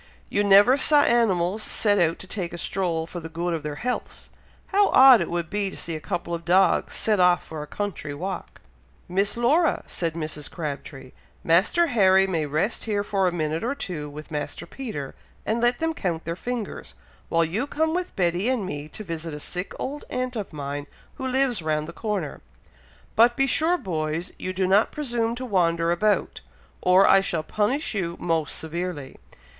You never saw animals set out to take a stroll for the good of their healths! How odd it would be to see a couple of dogs set off for a country walk!" "Miss Laura!" said Mrs. Crabtree, "Master Harry may rest here for a minute or two with Master Peter, and let them count their fingers, while you come with Betty and me to visit a sick old aunt of mine who lives round the corner; but be sure, boys, you do not presume to wander about, or I shall punish you most severely.